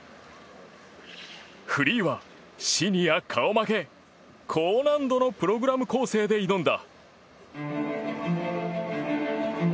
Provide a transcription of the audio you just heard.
フリーはシニア顔負け高難度のプログラム構成で挑んだ。